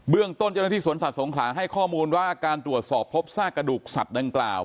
เรื่องต้นเจ้าหน้าที่สวนสัตว์สงขลาให้ข้อมูลว่าการตรวจสอบพบซากกระดูกสัตว์ดังกล่าว